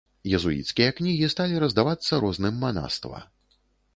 Езуіцкія кнігі сталі раздавацца розным манаства.